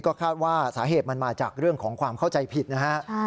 ก็คาดว่าสาเหตุมันมาจากเรื่องของความเข้าใจผิดนะฮะ